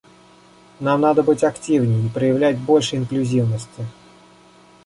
Нам надо быть активней и проявлять больше инклюзивности.